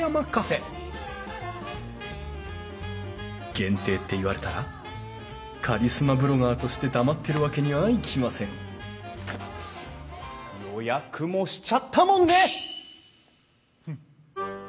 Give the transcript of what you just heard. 限定って言われたらカリスマブロガーとして黙ってるわけにはいきません予約もしちゃったもんね！